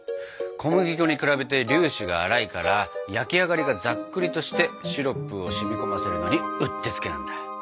小麦粉に比べて粒子が粗いから焼き上がりがざっくりとしてシロップを染み込ませるのにうってつけなんだ。